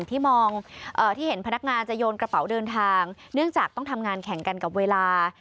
ที่มองที่เห็นพนักงานจะโยนกระเป๋าเดินทางเนื่องจากต้องทำงานแข่งกันกับเวลา